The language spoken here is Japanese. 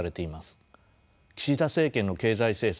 岸田政権の経済政策